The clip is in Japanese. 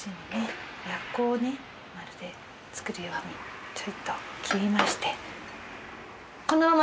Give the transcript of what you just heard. やっこをねまるで作るようにちょいと切りまして。